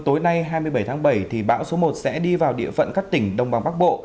tối nay hai mươi bảy tháng bảy thì bão số một sẽ đi vào địa phận các tỉnh đông bằng bắc bộ